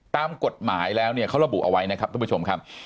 ตามกฎหมายแล้วเนี่ยเขาระบุเอาไว้นะครับทุกผู้ชมครับ